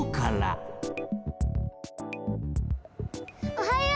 おはよう！